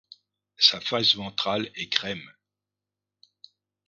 Sa face ventrale est crème.